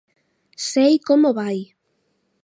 Sei como vai.